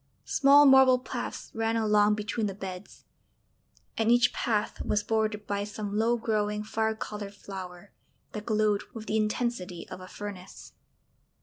Small marble paths ran along between the beds, and each path was bordered by some low growing fire coloured flower that glowed with the intensity of a furnace.